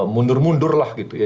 mundur mundur lah gitu ya